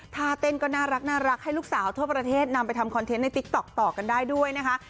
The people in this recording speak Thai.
ท่าเต้นก็น่ารักให้ลูกสาวทั่วประเทศนำไปทำคอนเทนต์ในติ๊กต๊อกต่อกันได้ด้วยนะคะ